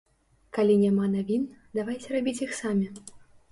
Калі няма навін, давайце рабіць іх самі.